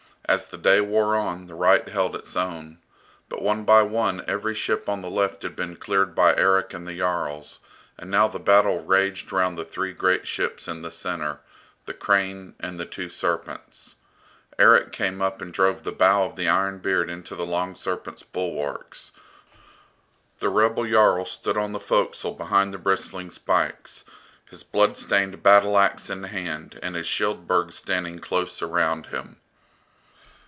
As the day wore on the right held its own; but one by one every ship on the left had been cleared by Erik and the Jarls, and now the battle raged round the three great ships in the centre, the "Crane" and the two "Serpents." Erik came up and drove the bow of the "Iron Beard" into the "Long Serpent's" bulwarks. The rebel Jarl stood on the forecastle behind the bristling spikes, his blood stained battle axe in hand and his Shield burg standing close around him.